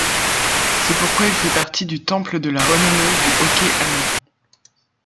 C'est pourquoi il fait partie du Temple de la renommée du hockey allemand.